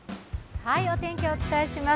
お天気、お伝えします。